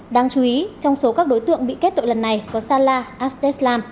đáng chú ý trong số các đối tượng bị kết tội lần này có salah abdeslam